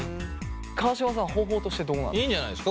川島さん方法としてどうなんですか？